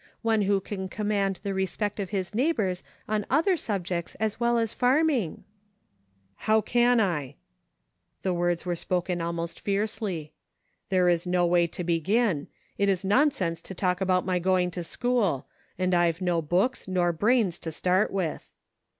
One who can command the respect of his neigh bors on other subjects as well as farming ?"" How can I ?" The words were spoken almost fiercely. " There is no way to begin ; it is nonsense to talk about my going to school ; and I've no books, nor brains, to start with."